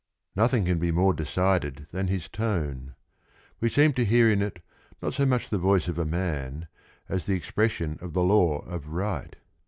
Nothing can be more decided than his tone. We seem to hear in it not so much the voice of a man, as the expression of the law of right.